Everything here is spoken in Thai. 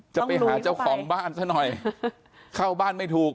จะไปหาเจ้าของบ้านซะหน่อยเข้าบ้านไม่ถูก